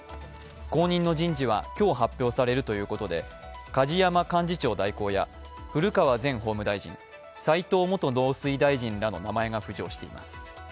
後任の人事は今日発表されるということで、梶山幹事長代行や古川前法務大臣、齋藤元農水大臣らの名前が浮上しています。